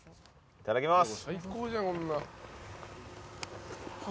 いただきます。